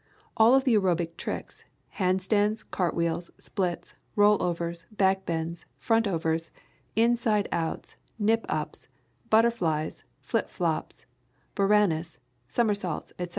All of the acrobatic tricks hand stands, cartwheels, splits, roll overs, back bends, front overs, inside outs, nip ups, "butterflies," flip flops, Boranis, somersaults, etc.